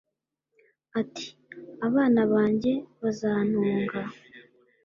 Ati: Abana bange bazantunga